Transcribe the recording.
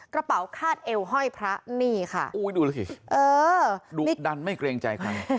กระเป๋าคาดเอวห้อยพระนี่ค่ะอุ้ยดูสิเออดุดันไม่เกรงใจใคร